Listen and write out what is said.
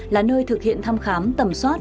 là nơi thực hiện thăm khám tầm soát